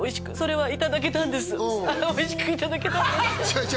はい